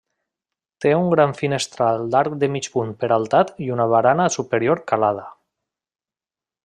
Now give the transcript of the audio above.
Té un gran finestral d'arc de mig punt peraltat i una barana superior calada.